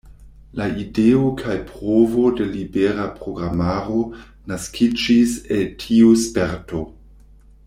La ideo kaj provo de libera programaro naskiĝis el tiu sperto.